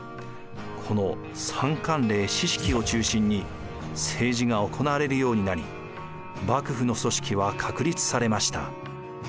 この三管領・四職を中心に政治が行われるようになり幕府の組織は確立されました。